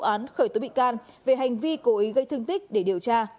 công an huyện quỳ châu bị can về hành vi cố ý gây thương tích để điều tra